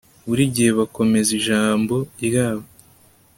burigihe bakomeza ijambo ryabo